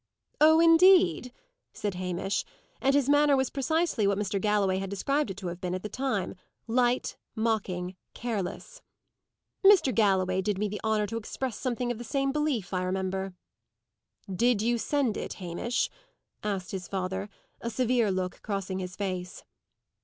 "Oh, indeed!" said Hamish; and his manner was precisely what Mr. Galloway had described it to have been at the time; light, mocking, careless. "Mr. Galloway did me the honour to express something of the same belief, I remember." "Did you send it, Hamish?" asked his father, a severe look crossing his face.